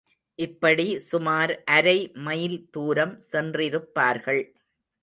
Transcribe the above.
இப்படி சுமார் அரை மைல் தூரம் சென்றிருப்பார்கள்.